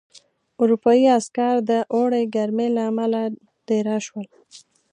اروپايي عسکر د اوړي ګرمۍ له امله دېره شول.